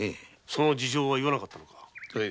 その事情は言わなかったのか？